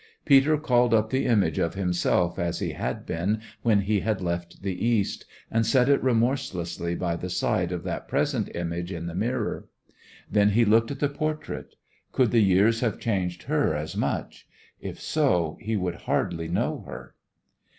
Peter called up the image of himself as he had been when he had left the East, and set it remorselessly by the side of that present image in the mirror. Then he looked at the portrait. Could the years have changed her as much? If so, he would hardly know her!